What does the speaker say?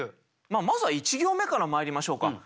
まずは１行目からまいりましょうか。